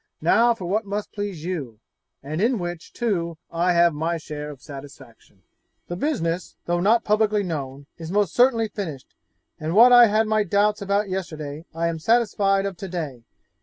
Now, for what must please you and in which, too, I have my share of satisfaction. 'The business, though not publicly known, is most certainly finished, and what I had my doubts about yesterday, I am satisfied of to day.